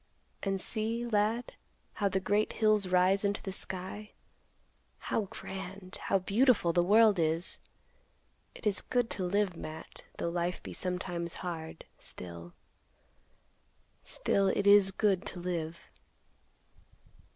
And see, lad, how the great hills rise into the sky. How grand, how beautiful the world is! It is good to live, Matt, though life be sometimes hard, still—still it is good to live."